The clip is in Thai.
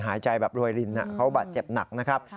หายใจแบบรวยรินเขาบาดเจ็บหนักนะครับ